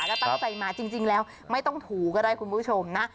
ก็ตั้งใจมาจริงแล้วไม่ต้องถูก็ดคุณผู้ชมนะ